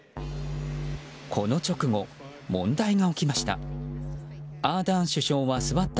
この直後、問題が起きました。